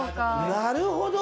なるほど！